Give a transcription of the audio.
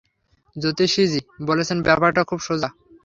জ্যোতিষীজি বলেছেন ব্যাপারটা খুব সোজা।